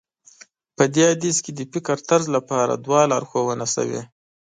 په دې حديث کې د فکرطرز لپاره دعا لارښوونه شوې.